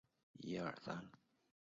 人类各民族都有口头语。